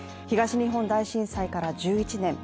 東日本大震災から１１年。